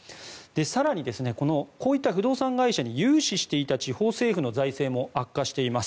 更に、こういった不動産会社に融資していた地方政府の財政も悪化しています。